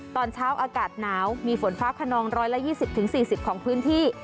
ตอนเช้าอากาศหนาวมีฝนฟ้าขนอง๑๒๐๔๐ของพื้นที่